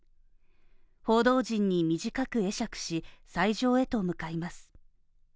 報道陣に短く会釈し、斎場へと向かいます。